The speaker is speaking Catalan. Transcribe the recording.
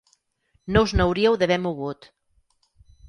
No us n'hauríeu d'haver mogut.